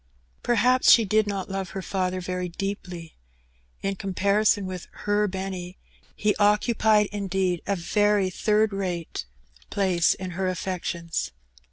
Per haps she did not love her father very deeply. In comparison with "her Benny," he occupied indeed a very third rate 66 Her Benny. place in her affections.